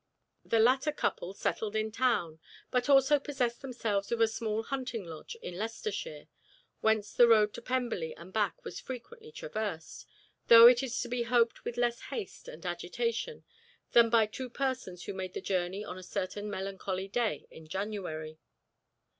The latter couple settled in town, but also possessed themselves of a small hunting lodge in Leicestershire, whence the road to Pemberley and back was frequently traversed, though it is to be hoped with less haste and agitation than by two persons who made the journey on a certain melancholy day in January.